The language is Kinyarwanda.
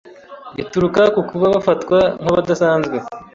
bituruka ku kuba bafatwa nk’abadasanzwe